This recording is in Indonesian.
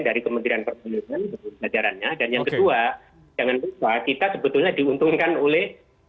dari kementerian pertanian dalam jajarannya dan yang kedua jangan lupa kita sebetulnya diuntungkan oleh